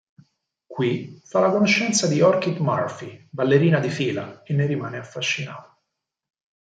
Qui fa la conoscenza di Orchid Murphy, ballerina di fila, e ne rimane affascinato.